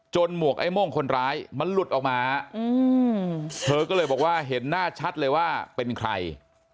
หมวกไอ้โม่งคนร้ายมันหลุดออกมาเธอก็เลยบอกว่าเห็นหน้าชัดเลยว่าเป็นใคร